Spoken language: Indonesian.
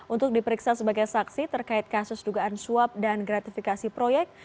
untuk diperiksa sebagai saksi terkait kasus dugaan suap dan gratifikasi proyek